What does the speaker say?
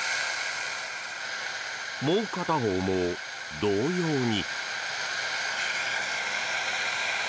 もう片方も同様に。